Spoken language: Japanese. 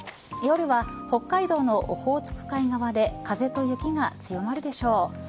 夜は北海道のオホーツク海側で風と雪が強まるでしょう。